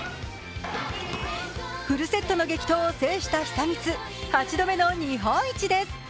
フルセットの激闘を制した久光８度目の日本一です！